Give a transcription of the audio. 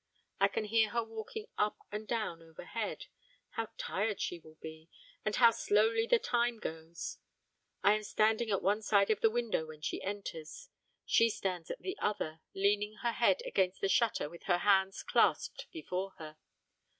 I can hear her walking up and down overhead; how tired she will be, and how slowly the time goes. I am standing at one side of the window when she enters; she stands at the other, leaning her head against the shutter with her hands clasped before her.